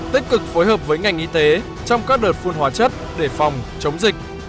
tích cực phối hợp với ngành y tế trong các đợt phun hóa chất để phòng chống dịch